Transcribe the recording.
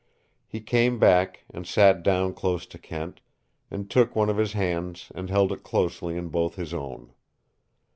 He came back, and sat down close to Kent, and took one of his hands and held it closely in both of his own.